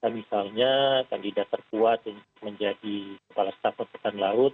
misalnya kandidat terkuat untuk menjadi kepala staf angkatan laut